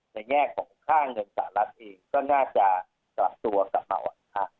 ในแง่ของค่าเงินสหรัฐเองก็น่าจะกลับตัวกับเมาะครับ